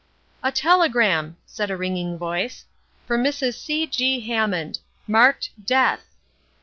"A telegram!" said a ringing voice. "For Mrs. C.G. Hammond. Marked 'Death!'"